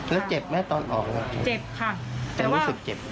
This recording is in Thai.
แล้วเจ็บไหมตอนออกเจ็บค่ะแต่รู้สึกเจ็บ